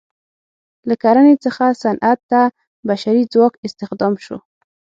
له کرنې څخه صنعت ته بشري ځواک استخدام شو.